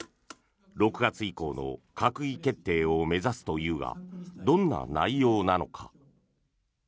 ６月以降の閣議決定を目指すというがどんな内容なのか。